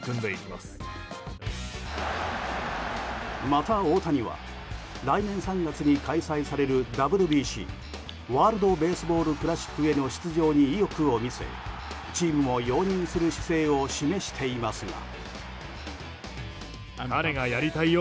また、大谷は来年３月に開催されるＷＢＣ・ワールド・ベースボール・クラシックへの出場に意欲を見せチームも容認する姿勢を示していますが。